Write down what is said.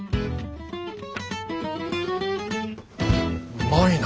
うまいな。